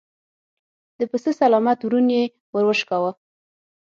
د پسه سلامت ورون يې ور وشکاوه.